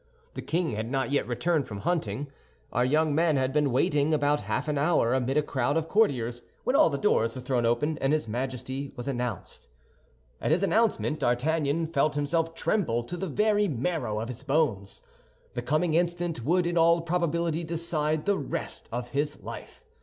The king had not yet returned from hunting. Our young men had been waiting about half an hour, amid a crowd of courtiers, when all the doors were thrown open, and his Majesty was announced. At his announcement D'Artagnan felt himself tremble to the very marrow of his bones. The coming instant would in all probability decide the rest of his life.